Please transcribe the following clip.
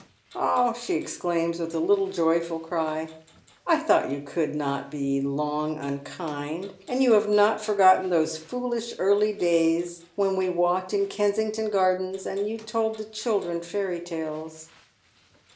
" Ah !" she exclaims, with a little joyful cry, " I thought you could not be long unkind. And you have not forgotten those foolish early days when we walked in Kensington Gardens, and you told the children fairy talcs."